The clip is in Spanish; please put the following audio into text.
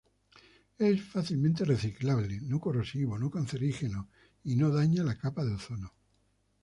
Es fácilmente reciclable, no corrosivo, no cancerígeno y no daña la capa de ozono.